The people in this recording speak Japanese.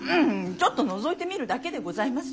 ちょっとのぞいてみるだけでございますよ。